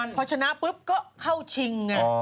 พอชนะปุ๊บก็เข้าชิงไง